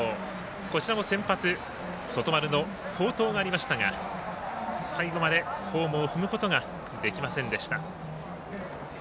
こちらも先発、外丸の好投がありましたが最後まで、ホームを踏むことができませんでした。